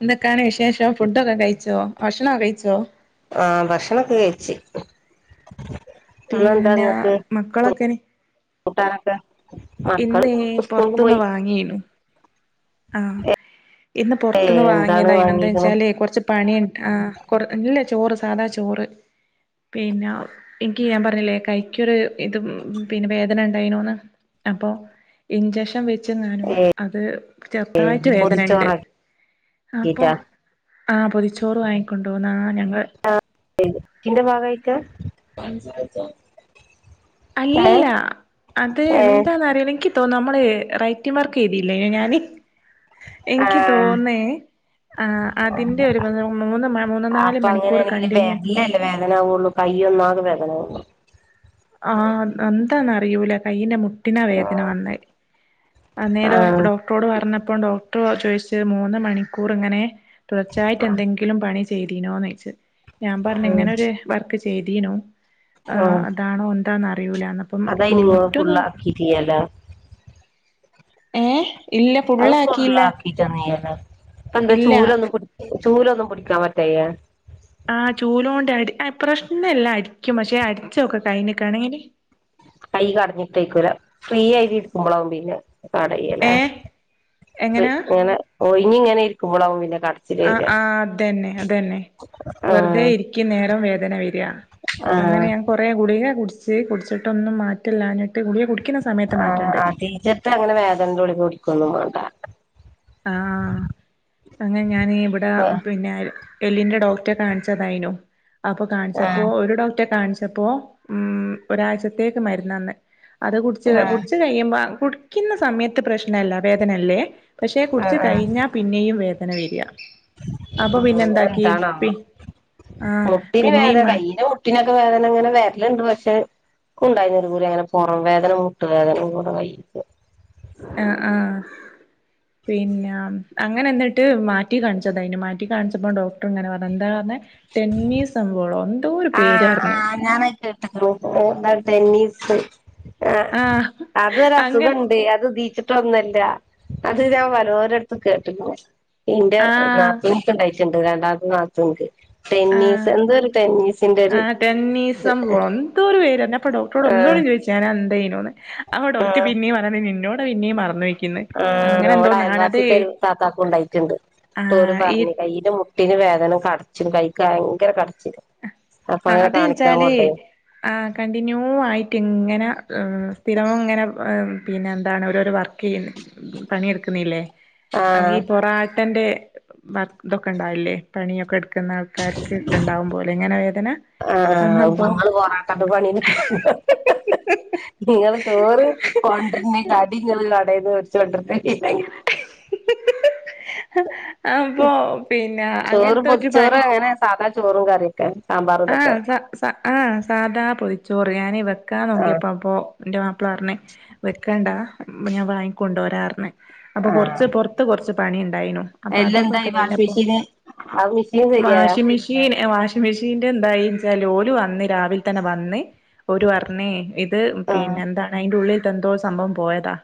എന്തൊക്കാണ് വിശേഷം ഫുഡൊക്കെ കയിച്ചോ ഭക്ഷണൊ കയിച്ചോ ആ ഭക്ഷണൊക്കെ കയിച്ച് പിന്നെ മക്കളൊക്കെന് കൂട്ടാനൊക്കെ മക്കള് ഇന്നേ സ്കൂൾക്ക് പൊറത്തന്ന് പോയി വാങ്ങിയിനു ആഹ് ഇന്ന് ഏ പുറത്തുന്ന് എന്താണ് വാങ്ങിയതായിനു എന്താ വാങ്ങീക്ക്ണ് വെച്ചാല് കൊറച്ച് പണിയ് ആഹ് കൊറ ഇല്ല് ചോറ് സാധാ ചോറ് പിന്നെ എക്ക് ഞാൻ പറഞ്ഞില്ലേ കൈക്കൊരു ഇത് പിന്നെ വേദന ഉണ്ടായിനൂന്ന് അപ്പോ ഇഞ്ചക്ഷൻ വെ ന്നാനും അത് ചെറത്തായിട്ട് വേദനണ്ട് പൊതിച്ചോറാക്കിട്ടാ അപ്പൊ ആഹ്പോതിച്ചോറ് വാങ്ങിക്കൊണ്ടോ ന്നാഞങ്ങള് അഹ് എത്തിന്റെ ഭാഗായിട്ടാ ഏഹ് അല്ലല്ല അത് ഏഹ് എന്താന്നറീല ഇൻക്കി ഇപ്പോ നമ്മള് റൈറ്റിവർക്കെ യ്തിലേ ന്യയോ ഞാന് എൻക്ക് ആഹ് തോന്നേ ആ അതിന്റെ ഒരു മൂന്ന് മൂന്ന് നാല് അപ്പൊ മണിക്കൂർ അങ്ങനെയാണെങ്കില് കണ്ടിന്യു അ [unintelligible] ആഹ് എന്താന്ന അറിയൂല കയിന്റെ മു ട്ടിന വേദന വന്നെ അന്നേരം ആഹ് ഡോക്ടറോട് പറഞ്ഞപ്പംഡോക്ട ട്ടൊ ചോയിച്ചത് മൂന്ന് മണിക്കൂർ ഇങ്ങനെ തുടർച്ചായിട്ട് എന്തെങ്കിലും പണി ചയ്തിനിയോ ചോയിച്ച് ഞാൻ പറഞ്ഞ ആഹ് ഇങ്ങനെൊരു വർക്ക് ചെയ്തിനു ആഹ് അത് കൊന്താന്ന അതായി നിങ്ങളും ഫുള്ളാക്കിട്ടില്ലലെ ഏഹ് അത് കൊള്ളാക്കിട്ട നീല്ല അന്ത ഇല്ല ചൂലൊന്നും പുടി തൂലൊന്നും പിടിക്കാൻ പറ്റായ ആ പ്രശ്നം എല്ല അരിക്കും പക്ഷെ അടിച്ചോക്കെ അയ്ഞ്ഞക്കണങ്ങനെ കൈ കടഞ്ഞിട്ടേയ്ക്കൂല ഫ്രീ ആ [unintelligible] ഇരിക്കുമ്പോളാവുംപിന്നെ കടയില്ലേ ഏ ഇത് എങ്ങനാ ഇങ്ങനെ ഒഴിഞ്ഞിങ്ങനെ കൂളാവും പിന്നെ കടച്ചില് അഹ് വരിക ആഹ് അതെന്നെ അതന്നെ വെറുതെ ആഹ് ഇരിക്ക് നേരം വേദ ദന [unintelligible] യ അങ്ങനെ ആഹ് ഞാൻ കൊറെേ ഗുളിക [unintelligible] കുടിച്ച് ട്ച്ച് കുടിച്ചിട്ടൊന്നും മാറ്റല്ലാഞ്ഞ് ആഹ് ആ ടീച്ചർട്ടങ്ങനെ വേദനന്റെ ഗുളിക കൊന്നും മാണ്ട ആഹ് അങ്ങനെ ഞാൻ ഇവിടെ ആഹ് പിന്നെ എല്ലിന്റെ ഡോക്ടറെ കാണിച്ചതായിനു അപ്പൊ കാണിച്ചപ്പോ ആഹ് ഒരു ഡോക്ടറെ കാണിച്ച് ഇപ്പോ ഉം ഒരാഴ്ചത്തേക്ക് മരുന്ന് തന്നേ അത് കുടിച്ച് ആഹ് കുടിച്ച് കഴിയുമ്പ കുടിക്കുന്ന സമയത്ത് പ്രശ്നല്ല വേദനല്ലേ പക്ഷെ ആഹ് കുടിച്ച് ആഹ് കഴിഞ്ഞാൽ പിന്നെയും വേദ ദന വെരിയ ഉം എന്താണാ പി ആഹ് മുട്ടിന് വേദന പിന്നെയും മാ കയ്യിന് മുട്ടിനൊക്കെ വേദന അങ്ങനെ വെരലുണ്ട് പക്ഷെ നിക്കും ഉണ്ടായിര്ന്നു ഒരുപൂല അങ്ങനെ പുറം വേദന മുട്ടുവേദന കൂടെ വൈക്ക് ആഹ് ആഹ് പിന്നെ അങ്ങനെ എന്നിട്ട് മാറ്റി കാണിച്ചത അയിന് മാറ്റി കാണിച്ചപ്പോ ഡോക്ടർ ഇങ്ങനെ പറഞ്ഞ എന്താ പറഞ്ഞേ ടെന്നീസ് അംഗോളോ ആ ആം ഞാൻ അത് കേട്ട്ക്കണ് ഓ മൈ ട്ടെല്ലി ശെരി ആ ആഹ് അങ്ങൻ അതൊരസുഖൊണ്ട് അത് തീച്ച ട്ടൊന്നല്ല അത് ഞാൻ വലോരടത്തും കേട്ടുക്ക്ണ് ഇന്റെ ആ നാതൂക്ക് ഇണ്ടായി ക്ക്ണ്ട് രണ്ടാമത്തെ നാത്തൂൻക്ക് ആ ടെന്നീസ് എന്തോ ഒരു ടെന്നീസ് ആ ടെന്നീസംമ്പോ എന്തോ ഒരു പേര് പറഞ് അപ്പൊ ഡോക്ടറോട് ഒന്നൂടെ ആഹ് ചോദിച്ച് ആരാ എന്തേയ്യുണൂന്ന് അപ്പൊ ഡോക്ട്ടർ പിന്നെയും പറഞ് നിന്നോ ഇപ്പ പിന്നെയും മറന്ന് ആ നമ്മടെ അയൽവാസി താത്താക്കും ഒണ്ടായിട്ടുണ്ട് ആ ന്നിട്ട് ഓര് ഈ പറഞ് കയ്യിന്റെ മുട്ടിന് വേദ നയും കടച്ചിലിം കൈക്ക് ഭയങ്കര കടച്ചി ആ അത്ച്ചാൽ കൊണ്ടോയി ആ കണ്ടിന്യൂ ആയിട്ട് ഇങ്ങനെ സ്ഥിരം ഇങ്ങനെ പിന്നെ എന്താണ് ഓരോരോ വർക്ക് ചെയ്യുന്ന് പണിയെടുക്കുന്നില്ലേ ആഹ് ഈ പൊറാ തന്റെ മ ഇതൊക്കെണ്ടാവില്ലേ പണിയൊക്കെ എടു ക്കുന്ന ആൾക്കാർക്ക് ക്കണ്ടാവും പോലെ ഞനവേദന ആ ആ അപ്പൊ നിങ്ങള് പൊറാട്ട പണി നിങ്ങള് ചോറ് കൊണ്ടര്നേകാട്ടി നിങ്ങൾ കടേന്ന് വേട്ച്ച് കൊണ്ടര്ന്നേകാട്ടി പിന്നെങ്ങനെ [inaudible] അപ്പൊ പിന്നെ ചോറ് അങ്ങനത്തെ ഒരു പൊതിച്ചോറ് പണി- അങ്ങനെ സാധാ ചോറും കറിയൊക്കെ- സാമ്പാറും ആ ഇതൊക്കെ സ സ ആ സാദാ പൊതി- ചോറ് ഞാനിവർ വെക്കാൻ ആഹ് നോക്കിയപ്പോ അപ്പോ ഇന്റെ വാ പ്പ പറഞ് വെക്കണ്ടാ ഞാൻ വാങ്ങിക്കൊണ്ട് വരാർന്ന്- അപ്പൊ കൊറച്ച് പൊറത്ത് കൊറച്ച്- പണിയു അല്ലന്തായി വാഷിംഗ് മെഷീന് അഹ് [unintelligible] മെഷീന് ശെരിയായൊ യെ വാഷിംഗ് മെഷീന് ഷീന്റെ എന്തായിച്ചാൽ ഓല് വന്ന് രാവിൽ തന്നെ വന്ന് ഓര് പറ്ഞ് ഇത് ആഹ് പിന്നെ എന്താണ് അയ്ന്റെ ഉള്ള് എന്തോ സംഭവം പോയതാ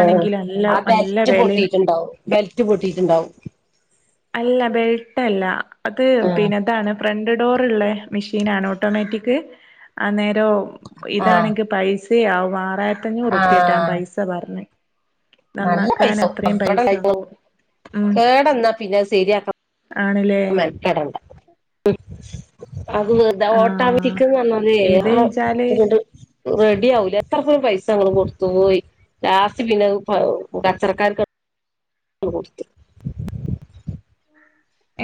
ഏഹ് നല്ല ആ നല്ല ബെൽറ്റ് വെലയും പൊട്ടിയിട്ട് ഇണ്ടാവും ബെൽറ്റ് പൊട്ടിയിട്ട് ഇണ്ടാവും അല്ല ബെൽട്ടല്ല അത് ആഹ് പിന്നെ ഇതാണ് ഫ്രണ്ട് ഡോറ ഇള്ളെ മിഷീനാണ് ഓട്ടോമേറ്റിക് ആ ന്നേ ദോ ആഹ് ഇതാണെങ്കി പൈസ ആ മറെ പത്തഞ്ഞൂറുപ്പ്യട്ടാ ആ ആഹ് പൈസ പറഞ്ഞു നല്ല നന്നാക്കാൻ പൈസ എത്രയും പൈസങ്ങോ കേടന്നാ പിന്നെ ശെരിയാക്കണം ആണ്ല്ലേ ഉം അത് വെറുതാ ആഹ് ഓട്ടാരിക്ക പറന്നത് ഇത് ആഹ് ച്ചാല് അങ്ങ്ട് റെഡി ആവൂല- അത്ര പൈസങ്ങൾ കൊടുത്തുപോയി ലാസ്റ്റ് പിന്നെ പച്ചറക്കാർക്ക്- അങ്ങ് കൊട്ത്ത്-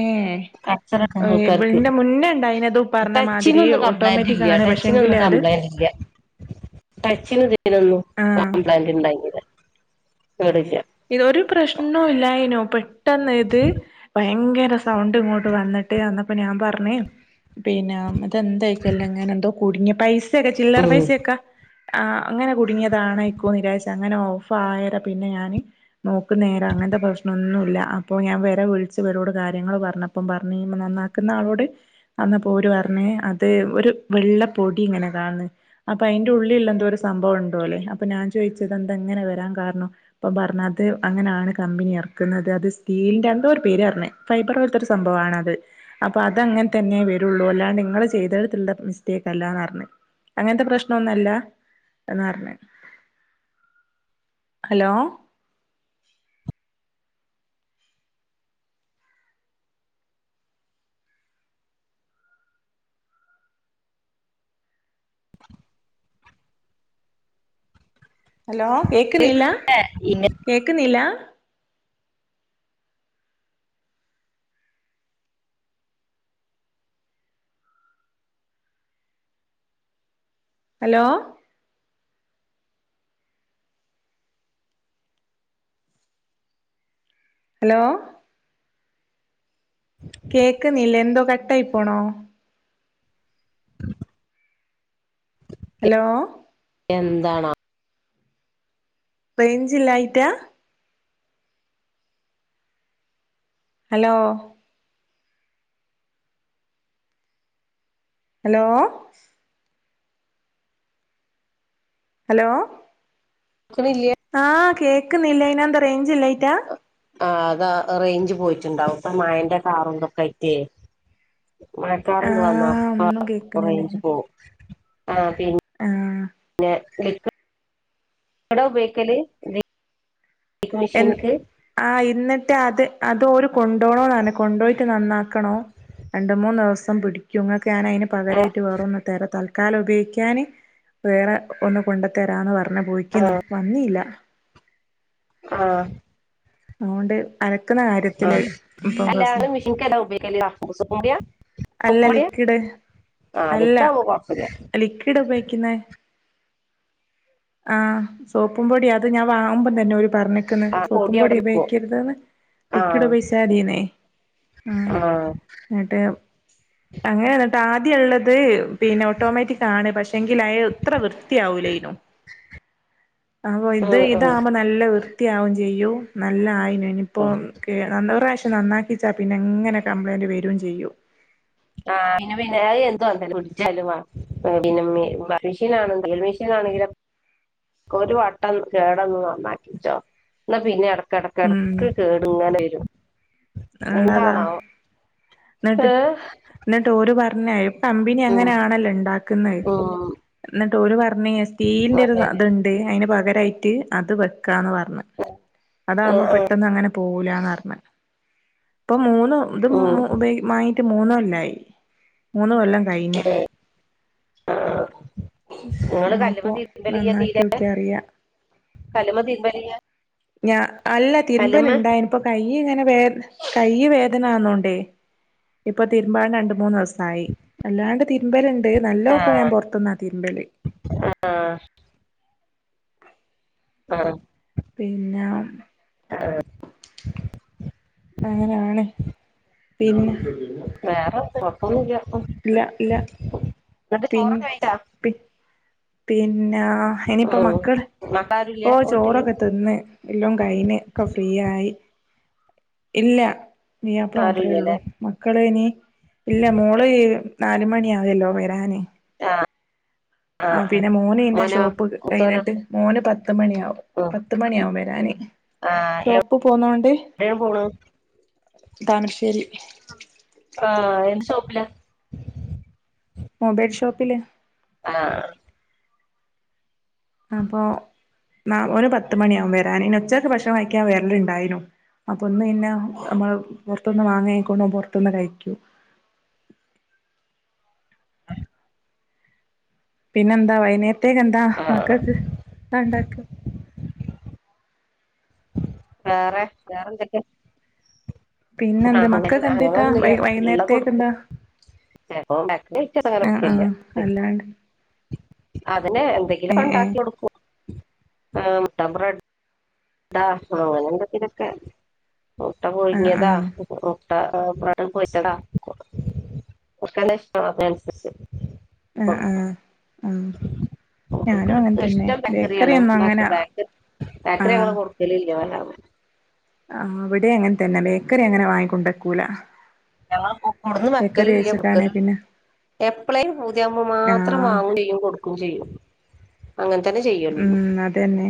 ഏഹ് അസറക്കെ ഏഹ് ആൾക്കാർക്ക് ഇന്റെ മുന്നേ ഇണ്ടായിനത് പറഞ്ഞ മാതിരി ടച്ചിനൊന്നും ഓട്ടോമാറ്റിക് കംപ്ലൈന്റില്ല ആണ് ടച്ചിനൊന്നും പക്ഷെങ്കില് അത് കംപ്ലൈന്റില്ല ടച്ചിന് തൊന്നും ആഹ് കംപ്ലൈന്റ് ഉണ്ടാട്ടിയില്ല- [unintelligible] ഇതൊരു പ്രശ്നോ ഇല്ലായിനോ പെ- പെട്ടന്നായിത് പെ ഭയങ്കര സൗണ്ട് ഇങ്ങോട്ട് വന്നിട്ട് അന്നപ്പോ ഞാൻ പറഞ്ഞ് പിന്നെ അതെന്തായിക്കല്ലങ്ങനെ എന്തോ കുടുങ്ങിയ പൈസ്- ക്ക ചില്ലേർ ഉം പൈസേക്ക- ആ അങ്ങനെ കുടുങ്ങിയതാണ് ഇക്കോ നിരാശ അങ്ങനെ ഓഫായത് പിന്നെ ഞാന് നോക്ക നേരം അങ്ങനത്തെ പ്രശ്നംന്നുല്ല അപ്പൊ ഞാൻ വരെ വിളിച്ച് വരോട് കാര്യങ്ങൾ പറഞ്ഞപ്പം പറഞ്ഞ് ഈ നന്നാക്കുന്ന ആളോട് അന്ന പോര് പറഞ്ഞ അത് ഒരു വെള്ളപ്പൊടി ഇങ്ങനെ കാണന്ന് അപ്പൊ അയ്ന്റെ ഉള്ളിൽള്ള എന്തോ ഒരു സംഭവം ഉണ്ടോലോ അപ്പൊ ഞാൻ ചോദിച് എന്ത ഇങ്ങനെ വരാൻ കാരണം അപ്പ പറഞ്ഞ ത് അങ്ങനെയാണ് കമ്പനി എറക്കുന്നത് അത് സ്റ്റീൽന്റെ എന്തോ ഒരു പേര് പറഞ് ഫൈബർ പോലത്തൊരു സംഭവണ അത് അപ്പൊ അത അങ്ങനെ തന്നെ വരുള്ളൂ അല്ലാണ്ട് നിങ്ങൾ ചെയ്തടുത്തുള്ള മിസ്റ്റേക്ക് അല്ലന്ന് പറഞ്ഞഞ് അങ്ങനത്തെ പ്രശ്നം ഒന്നല്ല എന്ന പറഞ് ഹലോ ഹലോ കേക്കുന്നീല ഇന്ന കേക്കുന്നീല ഹലോ ഹലോ കേക്കുന്നില്ല എന്തോ കട്ടായി പോണോ ഹലോ എന്താണ് പേഞ്ചില്ലായിറ്റാ ഹലോ ഹലോ ഹലോ കേൾക്കണില്ല ആഹ് കേക്കുന്നില്ല ഇനന്ത റേഞ്ചില്ല റ്റാ ആ അതാ റേഞ്ച് പോയിട്ടുണ്ടാവും ഇപ്പ മായന്റെ കാറും ന്തൊക്കെയായിട്ടേ മഴക്കാറണ്ട് വന്ന ആഹ് അപ്പ ഒന്നും റഞ്ച് കേക്കുന്നില്ലേനു പോകും ആ ആഹ് പന്നെ [unintelligible] ഉപയോഗിക്കല് ബ്ലീച്ചിങ് എന്ന് മെഷീൻക്ക് ആ ഇന്നി മട്ട് അത് അതോരു കൊണ്ടോണോന്നാണ്‌ കൊണ്ടോയിട്ട് നന്നാക്കണോ രണ്ട് മൂന്ന് ദിവസം പിടിക്കൊ ഇങ്ങക്ക ഞാനയിന് ആഹ് പകരായിട്ട് വേറൊന്ന് തരാ ത തക്കാല ഉപയോഗിക്കാാന് വേറെ ഒന്ന് കൊണ്ടത്തരാന്ന് പറഞ്ഞു അനെ പോയിക്കുന്നു വന്നിയില്ല ആ അതുകൊണ്ട് അലക്കുന്ന ആ കാര്യത്തില് ഇപ്പം അല്ല പ്രശ്നം മെഷീൻക്കെതാ ഉപയോഗിക്കല് [unintelligible] [unintelligible] അല്ല സോപ്പും പൊടിയാ ലിക്വിഡ് ആഹ് അല്ല ലിക്വിഡ് ആവുമ്പോ കൊഴപ്പല്ല ലിക്വിഡ് ക്കുന്നെ ആ സോപ്പും പൊടി അത് ഞാൻ വാങ്ങുമ്പം തന്നെ ഒരു പറഞ്ഞിക്കന്ന് ആഹ് സോപ്പും പൊടി അവിടെ നിക്കും ഉപയോഗിക്കരുതന് ലിക്വിഡ് ആഹ് ഉപയിഗിച്ച മതീന്നേ ആ ആഹ് എന്നിട്ട് അങ്ങനെ ആദ്യ ഉള്ളത് പിന്നെ ഓട്ടോമാറ്റിക് ആണ് പക്ഷെ എങ്കിൽ അ ഇത്ര വൃത്തിയാവൂലയനു അപ്പൊ ഇത് ഉം ഉം ഉം ഇതാവുമ്പോ നല്ല വൃത്തി ത്തിയാവും ചെയ്യൂ നല്ലായി ഇനിയിപ്പോ നല്ല [unintelligible] പക്ഷ നന്നാക്കിച്ചാൽ പിന്നെ എങ്ങനെ കംപ്ലൈയിന്റ് വരും ചെയ്യും ആ പിന്നെ പിന്നെ അത് [unintelligible] ഫ്രിഡ്ജയാലും ആ പിന്നെ വാഷിംഗ്‌ മെഷീൻ ആണെങ്കിലും ടെലിവിഷനാണെങ്കിലും ഒരു വട്ടം കേടന്നന്ന് നന്നാക്കിചോ ന്നാ പിന്നെ എ ഉം കിടക്കിടക്ക് കേടു ഇങ്ങനെ വരും ഇള്ളതാ എന്താണാവോ എന്നിട്ട് ഏഹ് എന്നിട്ട് ഒരുപ തന്നെയും കമ്പനി ഉം അങ്ങനെയാണല്ലോ ഇണ്ടാക്കുന്നത് ഉം ന്നി ട്ടോൽ പർ ഞ്ഞിനെ സ്റ്റീലിന്റെ ഒരു അതെ അത്ണ്ട് അതിന് പകരായി അത് വെക്കാന്ന് പറഞ്ഞ ഞ് ആഹ് അതാമ്പോ ആഹ് പെട്ടെന്ന് അങ്ങനെ പോക ക്കൂലാന്ന്റഞ്ഞ മൂന്നോ ഇത് മൂ ഉം വാങ്ങിട്ട് മൂന്ന് കൊല്ലായി മൂന്ന് കൊല്ലം കഴിഞ്ഞ് ആഹ് നിങ്ങള് കല്ലുമ ഇനിയിപ്പോ നന്നാക്കി നോക്കിയാ അറിയാ കലമതിര്മ്പലില്ല ഞാ അല്ല തിരുമ്പല് ണ്ടായിനിപ്പോ കൈയ് ഇങ്ങനെ വേ കൈ വേദന ആണോ ണ്ടേ ഇപ്പൊ തിരുമ്പാ രണ്ട് മൂന്ന് ദിവസ സായി അല്ലാണ്ട് തിര്മ്പല് ണ്ട് ആ നല്ലോക്കെ ഞാൻ പൊറത്തുന്നാ തിരുമ്പല് ആ ആഹ് പിന്നെ അങ്ങനെയാണ് പിന്നെ ഒന്നുല്ല ഇല്ല ഇല്ല ചോറൊക്കെ പിന്നെ കഴിച്ചാ പി പി പിന്നാ ഇനിയിപ്പോ ഉം. മക്കൾ മക്കാരുമില്ല ഓ വീട്ടില് ചോറൊക്കെ തിന്ന് എല്ലാം കഴിന് ഒക്കെ ഫ്രീയായി ഇല്ല പുതിയാപ്പള മാത്രേ ഉള്ളു ആരുമില്ലല്ലേ മക്കള് ഇനി ഇല്ല മോള് നാലല് മണിയ ആാവല്ലോ വരാൻ ആ ആ പിന്നെ മോന് ഇന്നെ മോനോ ഷോപ്പ് മുത്തോനോ കഴിഞ്ഞിട്ട് മോന് പത്ത മണിയാവും ഉം. പത്ത മണിയാാവും വരാന് ആ ഷോപ്പ് പോന്നോണ്ട് എവിടെയാണ് പോണ് താന ശരി ആഹ എന്ത് സോപ്പില മൊബൈൽ ഷോപ്പില് ആഹ അപ്പൊ ന ഒരു പത്ത് മണിയാകൻ വരാൻ ഇനി ഉച്ചക്ക്െ ഭക്ഷണം കഴിക്കാൻ വരലുണ്ടായിരുന്നു അപ്പൊ ഒന്ന് പിന്നെ നമ്മൾ പുൊറത്തൊന്ന് വാങ്ങിക്കോണ പൊറത്തൊന്ന് കഴിക്കൂ ആ പിന്നെന്താ വയനേ പ്രേക എന്താ ആ മക്കൾക്ക്ണ്ട വേറെ വേറെന്തൊക്കെ പിന്നെ എന്താ മക്കൊക്കെ എന്തട്ടാ വൈ വൈകുന്നേരത്തേക്കെ എന്താ ചങ്ങനെ ആ ആ കുക്കല്ല അല്ലാണ്ട് അങ്ങെ ഏ എന്തെങ്കിലും ഏ ഉണ്ടാക്കി കൊടുക്കോ ആ മ്ര അതാ അ എന്തക്കരൊക്കെ മുട്ട ആ ആ കുഴുങ്ങിയതാ [unintelligible] അ ആ ഓല്ക് ഞാനും അങ്ങനെ തന്നെ ഇഷ്ടം ബേക്കറി ബേക്കറിയാണ് ഒന്നും അങ്ങനെ പക്ഷെ ബേക്കറി ആ ബേക്കറി ഞങ്ങൾ കൊടുക്കലില്ല [inaudible] ആ ഇവിടെ അങ്ങനെ തന്നെ ബേക്കറി അങ്ങനെ വാങ്ങിക്കൊണ്ടക്കൂല ഞങ്ങള് കൊടുന്ന് ബേക്കറി വെക്കലും ഇല്ല കഴിച്ചിട്ടാണെ വെക്കലുംല്ല പിന്നെ എപ്പളെ പൂതിയാവുമ്പോ മാത്രം ആ വാങ്ങും ചെയ്യും കൊടുക്കും ചെയ്യും അങ്ങനെ തന്നെ ചെയ്യലുള്ളൂ ഉം അതെന്നെ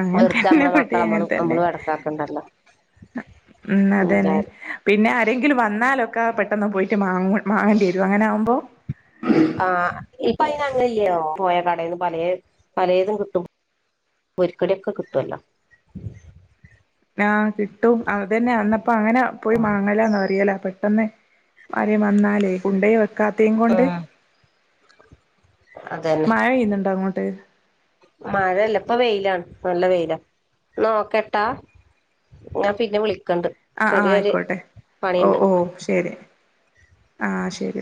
അങ്ങെ വെറുതെ തന്നെ നമ്മളെ മക്കളെ ബടിം നമ്മള് അങ്ങനെ തന്നെ നമ്മള് എടങ്ങേറാക്കണ്ടല്ലോ ഉം അതന്നെ എന്തായാലും പിന്നെ ആരെങ്കിലും വന്ന ലൊക്കെ പെട്ടെന്ന് പോയിട്ട് മാങ്ങ മാങ്ങേണ്ടി വരും അങ്ങനെ ആകുമ്പോ ആ ഇപ്പ പോയ കടേന്ന് പല പലേതും കിട്ടും പൊര്ക്കടിയൊക്കെ കിട്ടെല്ലോ ആ കിട്ടും അതന്നെ അന്നപ്പോ അങ്ങനെ പോയി മാങ്ങലന്ന് അറേല തന്നെ പ്പാരേം വന്നാലേ കുണ്ടയ വെക്കാത്തേം കൊണ്ട് അതന്നെ മഴെയ്യുന്നുണ്ടോ അങ്ങോട്ട് മഴല്ല ഇപ്പ വെയിലാണ് നല്ല വെയില ന്നാ വെക്കട്ടെ ഞാൻ പിന്നെ വിളിക്ക അ ആ ആയിക്കോട്ടെ ഓ ഓ ശരി ആഹ ശരി